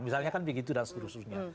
misalnya kan begitu dan seterusnya